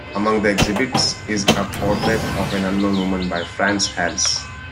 Among the exhibits is a portrait of an unknown woman by Frans Hals.